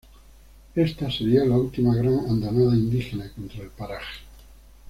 Esta sería la última gran andanada indígena contra el paraje.